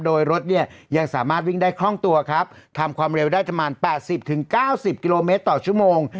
โดยรถเนี่ยยังสามารถวิ่งได้คล่องตัวครับทำความเร็วได้ประมาณ๘๐๙๐กิโลเมตรต่อชั่วโมง